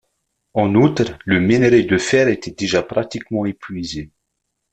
En outre, le minerai de fer était déjà pratiquement épuisé.